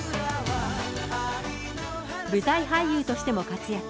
舞台俳優としても活躍。